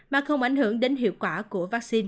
mà không ảnh hưởng đến hiệu quả của vaccine